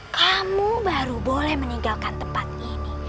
kamu baru boleh meninggalkan tempat ini